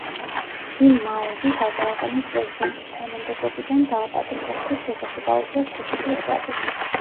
ვინ მაუნგი გადააყენეს პრეზიდენტის თანამდებობიდან, დააპატიმრეს და ციხეში გაუშვეს ხუთი წლის ვადით.